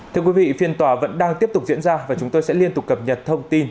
thưa quý vị phiên tòa vẫn đang tiếp tục diễn ra và chúng tôi sẽ liên tục cập nhật thông tin